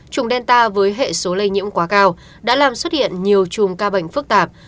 trùng delta với hệ số lây nhiễm quá cao đã làm xuất hiện nhiều chùm ca bệnh phức tạp